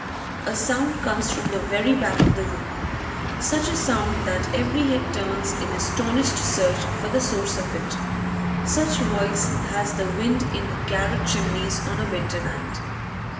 A sound comes from the very back of the room, such a sound that every head turns in astonished search for the source of it. Such voice has the wind in garret chimneys on a winter night.